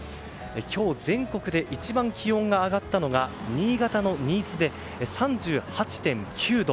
今日、全国で一番気温が上がったのが新潟の新津で３８．９度。